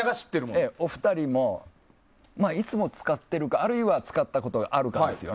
お二人も、いつも使っているかあるいは使ったことがあるか。